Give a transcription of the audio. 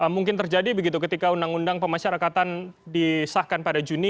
mungkin terjadi begitu ketika undang undang pemasyarakatan disahkan pada juni